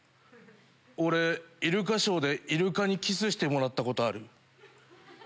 俺イルカショーでイルカにキスしてもらったことあるよ。